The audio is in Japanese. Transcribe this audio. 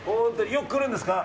よく来るんですか。